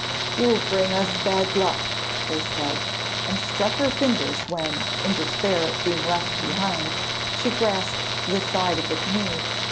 'You will bring us bad luck,' they said, and struck her fingers when, in despair at being left behind, she grasped the side of the canoe.